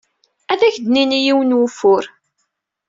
Ad ak-d-nini yiwen n wufur.